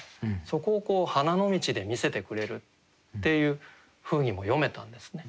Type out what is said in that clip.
そこを花野道で見せてくれるっていうふうにも読めたんですね。